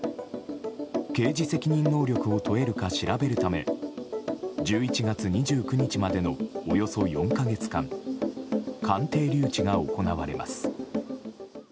刑事責任能力を問えるか調べるため１１月２９日までのおよそ４か月間鑑定留置が行われます。